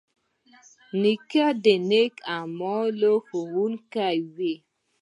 نیکه د نیک عملونو ښوونکی وي.